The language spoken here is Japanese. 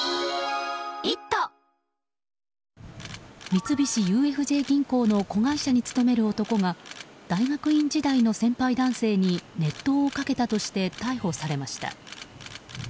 三菱ＵＦＪ銀行の子会社に勤める男が大学院時代の先輩男性に熱湯をかけたとして逮捕されました。